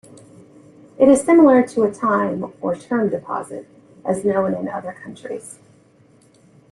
It is similar to a time or term deposit as known in other countries.